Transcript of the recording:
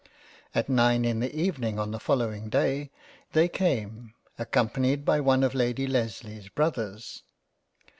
At nine in the Evening on the following day, they came, accompanied by one of Lady Lesleys brothers.